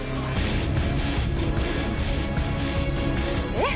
えっ？